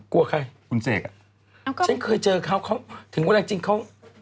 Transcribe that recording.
กลัวใครคุณเสกอ่ะฉันเคยเจอเขาเขาถึงเวลาจริงเขา